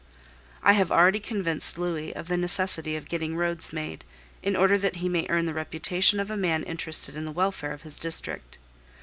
I have already convinced Louis of the necessity of getting roads made, in order that he may earn the reputation of a man interested in the welfare of his district.